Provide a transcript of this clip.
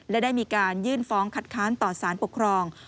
และได้มีการยื่นฟ้องคัดค้านต่อสารปกครอง